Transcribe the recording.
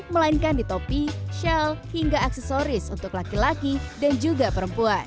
melainkan di topi shell hingga aksesoris untuk laki laki dan juga perempuan